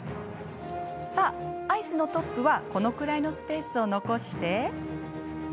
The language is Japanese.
さあ、アイスのトップはこのくらいのスペースを残して。